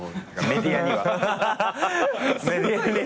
メディアに。